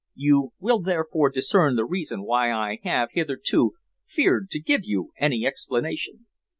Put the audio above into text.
You will therefore discern the reason why I have hitherto feared to give you any explanation."